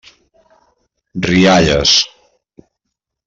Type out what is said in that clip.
Rialles.